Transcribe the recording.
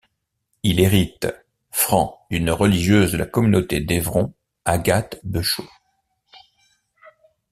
Il hérite francs d'une religieuse de la communauté d'Evron, Agathe Beuchaux.